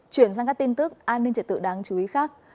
chuyển sang các tin tức an ninh trẻ tự đáng chú ý khác